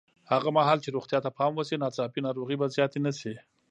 هغه مهال چې روغتیا ته پام وشي، ناڅاپي ناروغۍ به زیاتې نه شي.